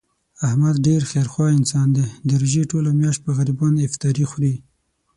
احمد ډېر خیر خوا انسان دی، د روژې ټوله میاشت په غریبانو افطاري خوري.